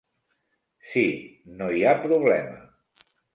Sí, no hi ha problema.